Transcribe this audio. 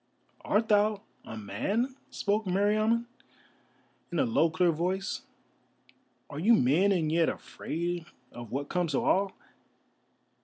"Art thou a man?" spoke Meriamun, in a low clear voice; "are you men, and yet afraid of what comes to all?